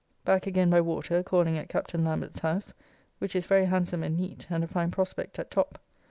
Back again by water, calling at Captain Lambert's house, which is very handsome and neat, and a fine prospect at top.